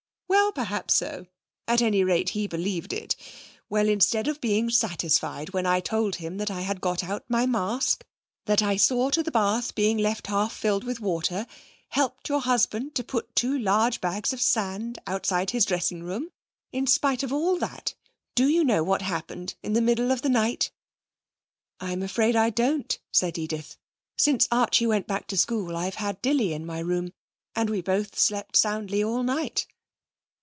'Well, perhaps so. At any rate he believed it. Well, instead of being satisfied when I told him that I had got out my mask, that I saw to the bath being left half filled with water, helped your husband to put two large bags of sand outside his dressing room in spite of all that, do you know what happened in the middle of the night?' 'I'm afraid I don't,' said Edith. 'Since Archie went back to school I have had Dilly in my room, and we both slept soundly all night.'